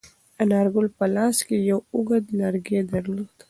انارګل په لاس کې یو اوږد لرګی درلود.